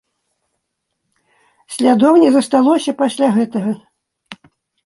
Слядоў не засталося пасля гэтага?